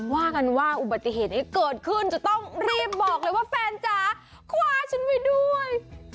ว่ากันว่าอุบัติเหตุนี้เกิดขึ้นจะต้องรีบบอกเลยว่าแฟนจ๋าคว้าฉันไว้ด้วย